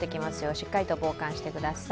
しっかりと防寒してください。